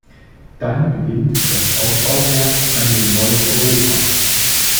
Dann beginnt das Aufbauwerk an dem neuen Europa.